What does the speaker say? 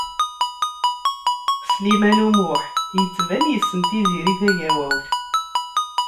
Sliman U Muḥ yettban yessen Tiziri Tagawawt.